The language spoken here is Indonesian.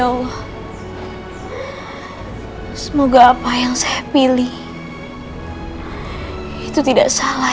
allah semoga apa yang saya pilih itu tidak salah